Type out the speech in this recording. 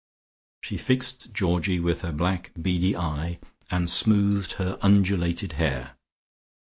She fixed Georgie with her black beady eye, and smoothed her undulated hair.